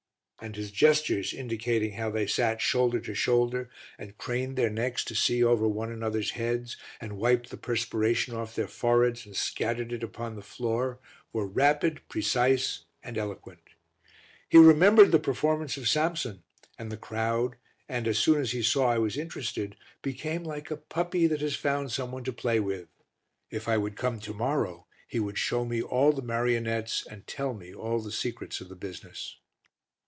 and his gestures indicating how they sat shoulder to shoulder and craned their necks to see over one another's heads and wiped the perspiration off their foreheads and scattered it upon the floor, were rapid, precise and eloquent. He remembered the performance of Samson and the crowd and, as soon as he saw I was interested, became like a puppy that has found some one to play with. If I would come to morrow he would show me all the marionettes and tell me all the secrets of the business.